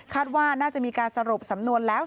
ว่าน่าจะมีการสรุปสำนวนแล้ว